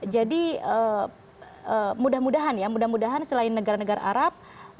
jadi mudah mudahan ya mudah mudahan selain negara negara arab